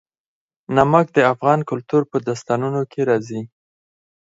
نمک د افغان کلتور په داستانونو کې راځي.